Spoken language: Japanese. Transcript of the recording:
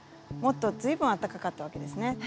もっと随分あったかかったわけですね。